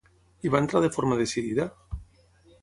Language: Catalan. Hi va entrar de forma decidida?